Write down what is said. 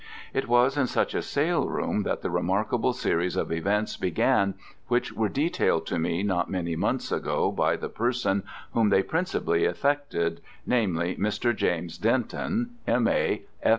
It was in such a sale room that the remarkable series of events began which were detailed to me not many months ago by the person whom they principally affected, namely, Mr. James Denton, M.A.